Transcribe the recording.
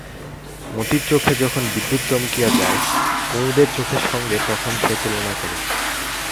মতির চোখে যখন বিদ্যুৎ চমকিয়া যায় কুমুদের চোখের সঙ্গে তখন সে তুলনা করে।